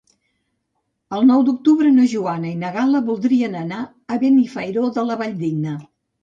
El nou d'octubre na Joana i na Gal·la voldrien anar a Benifairó de la Valldigna.